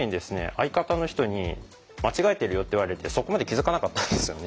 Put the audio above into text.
相方の人に「間違えてるよ」って言われてそこまで気づかなかったんですよね。